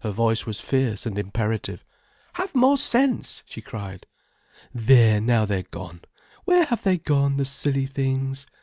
Her voice was fierce and imperative. "Have more sense," she cried. "There, now they're gone. Where have they gone, the silly things?